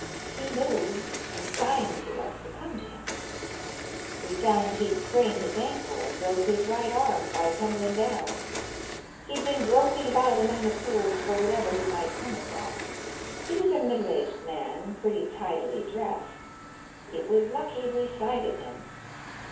He moved, and signed to us to come to him. We found he'd sprained his ankle and broke his right arm by tumbling down. He'd been groping about among the pools for whatever he might come across. He was a middle aged man, pretty tidily dressed. It was lucky we sighted him.